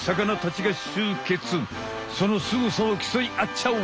そのすごさをきそいあっちゃおう！